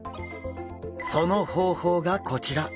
その方法がこちら。